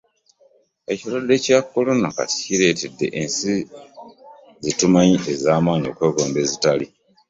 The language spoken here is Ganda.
Ekirwadde kya Corona kati kireetedde ensi zetumanyi ez'amaanyi okwegomba ezitali.